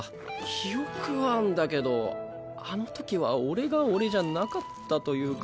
記憶はあんだけどあのときは俺が俺じゃなかったというか。